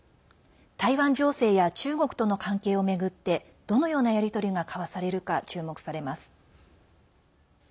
台湾情勢や中国との関係を巡ってどのようなやり取りが交わされるか注目されます。